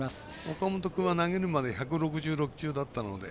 岡本君は投げるまで１６６球だったので。